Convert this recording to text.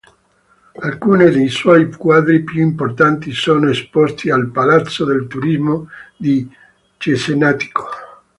Alcune dei suoi quadri più importanti sono esposti al Palazzo del Turismo di Cesenatico.